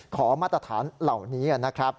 ขอมาตรฐานเหล่านี้